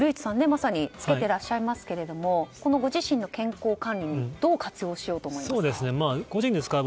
古市さん、まさにつけていらっしゃいますけれどもご自身の健康管理にどう活用しようと思いますか。